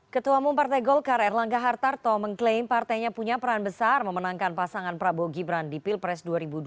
ketua mumpartai golkar erlangga hartarto mengklaim partainya punya peran besar memenangkan pasangan prabowo gibran di pilpres dua ribu dua puluh